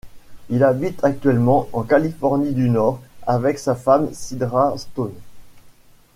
Il habite actuellement en Californie du nord avec sa femme, Sidra Stone.